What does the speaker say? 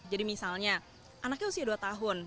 jadi misalnya anaknya usia dua tahun